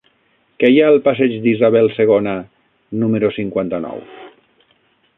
Què hi ha al passeig d'Isabel II número cinquanta-nou?